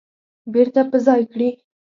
بیرته په ځای کړي